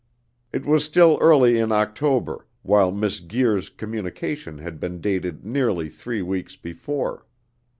It was still early in October, while Miss Guir's communication had been dated nearly three weeks before.